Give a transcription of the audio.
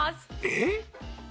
「えっ？」